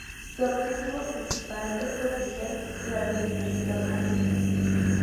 Su objetivo principal es proteger la biodiversidad marina.